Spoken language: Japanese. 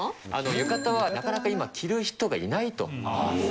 浴衣はなかなか今、着る人が意外。